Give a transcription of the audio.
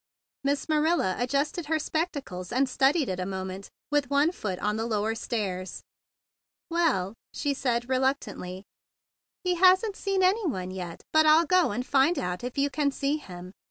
Miss Ma¬ rilla adjusted her spectacles, and studied it a moment with one foot on the lower stairs. "Well," she said reluctantly, "he hasn't seen any one yet; but I'll go and find out if you can see him.